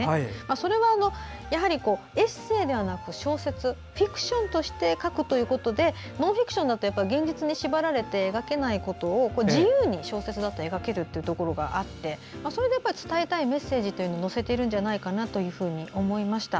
それは、やはりエッセーではなく小説フィクションとして書くということでノンフィクションだと現実に縛られて描けないことを自由に小説だと描けるというところがあってそれで、伝えたいメッセージを載せているんじゃないかというふうに思いました。